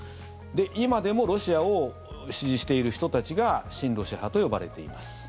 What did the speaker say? で、今でもロシアを支持している人たちが親ロシア派と呼ばれています。